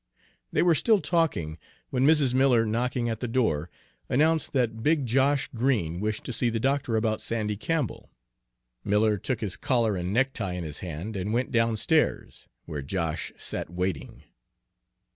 They were still talking when Mrs. Miller, knocking at the door, announced that big Josh Green wished to see the doctor about Sandy Campbell. Miller took his collar and necktie in his hand and went downstairs, where Josh sat waiting.